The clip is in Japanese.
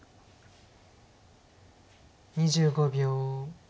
２５秒。